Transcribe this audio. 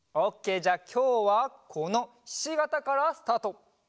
じゃあきょうはこのひしがたからスタート！